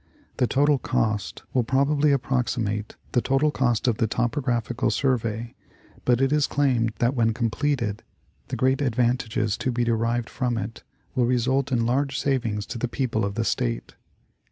The total cost will probably approximate the total cost of the Topo graphical Survey, but it is claimed that when completed the great advantages to be derived from it will result in large savings to the people of the State.